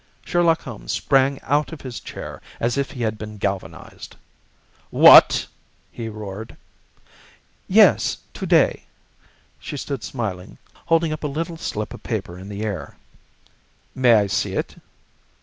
Sherlock Holmes sprang out of his chair as if he had been galvanised. "What!" he roared. "Yes, to day." She stood smiling, holding up a little slip of paper in the air. "May I see it?"